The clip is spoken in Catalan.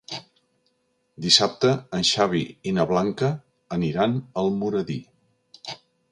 Dissabte en Xavi i na Blanca aniran a Almoradí.